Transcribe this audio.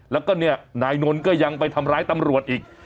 แล้วก็เนี่ยนายนนท์ก็ยังไปทำร้ายตำรวจอีก